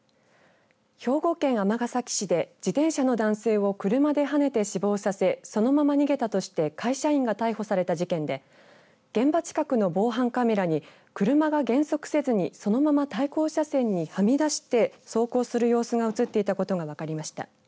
兵庫県尼崎市で自転車の男性を車ではねて死亡させそのまま逃げたとして会社員が逮捕された事件で現場近くの防犯カメラに車が減速せずにそのまま対向車線にはみ出して走行する様子が写っていたことが分かりました。